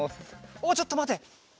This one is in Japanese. おおちょっとまて。